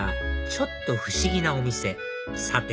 ちょっと不思議なお店さて